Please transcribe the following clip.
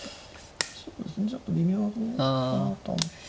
そうですねちょっと微妙なところかなとは思った。